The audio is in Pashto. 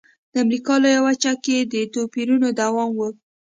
د امریکا لویه وچه کې د توپیرونو دوام و.